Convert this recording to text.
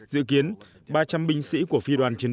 dự kiến ba trăm linh binh sĩ của phía mỹ sẽ được đặt vào căn cứ